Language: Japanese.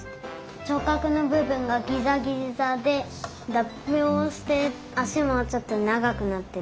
しょっかくのぶぶんがギザギザでだっぴをしてあしもちょっとながくなってた。